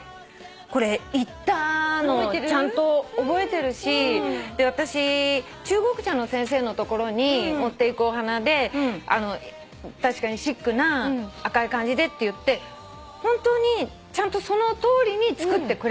これ行ったのちゃんと覚えてるしで私中国茶の先生のところに持っていくお花で確かにシックな赤い感じでって言って本当にちゃんとそのとおりに作ってくれたのね。